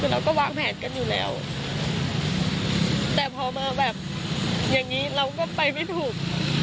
คือเราก็วางแผนกันอยู่แล้วแต่พอมาแบบอย่างงี้เราก็ไปไม่ถูก